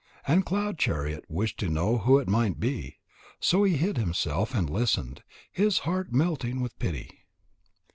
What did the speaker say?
And Cloud chariot wished to know who it might be. So he hid himself and listened, his heart melting with pity.